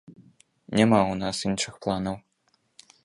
Няма ў нас іншых планаў.